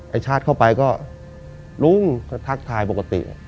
ชาร์จเข้าไปก็ลุงก็ทักทายปกติ